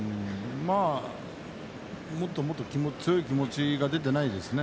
もっともっと強い気持ちが出てないですね。